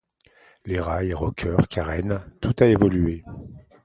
Les rails, rockers, carènes, tout a évolué.